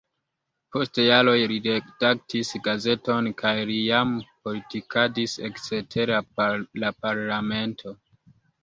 Post jaroj li redaktis gazeton kaj li jam politikadis ekster la parlamento.